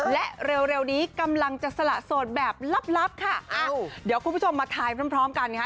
และเร็วนี้กำลังจะสละส่วนแบบลับค่ะเดี๋ยวคุณผู้ชมมาทายพร้อมกันนะฮะ